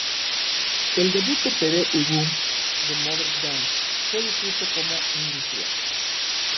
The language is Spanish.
El debut de Pere Ubu, The Modern Dance, fue descrito como "industrial".